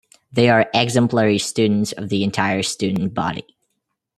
They are exemplary students of the entire student body.